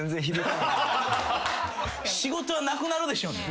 仕事はなくなるでしょうね。